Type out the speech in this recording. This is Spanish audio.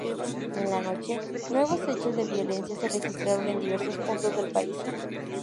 En la noche, nuevos hechos de violencia se registraron en diversos puntos del país.